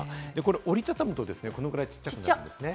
折り畳むとこのぐらいちっちゃくなるんですね。